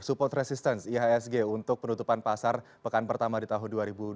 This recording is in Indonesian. support resistance ihsg untuk penutupan pasar pekan pertama di tahun dua ribu dua puluh